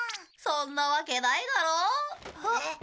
そんなわけないだろう。え？